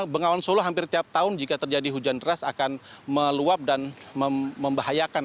bengawan solo hampir tiap tahun jika terjadi hujan deras akan meluap dan membahayakan